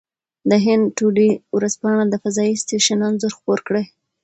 د هند ټوډې ورځپاڼه د فضايي سټېشن انځور خپور کړی.